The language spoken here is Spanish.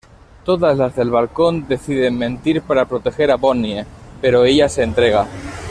Todas las del balcón deciden mentir para proteger a Bonnie, pero ella se entrega.